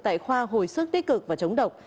tại khoa hồi sức tích cực và chống độc